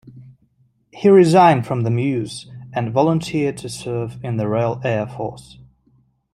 He resigned from the Mews and volunteered to serve in the Royal Air Force.